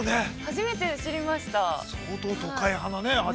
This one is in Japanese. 初めて知りました。